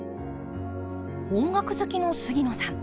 音楽好きの杉野さん。